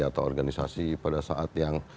atau organisasi pada saat yang